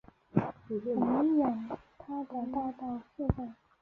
我们养他长大到现在